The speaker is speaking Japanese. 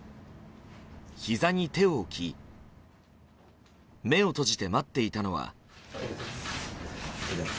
ひざに手を置き目を閉じて待っていたのは。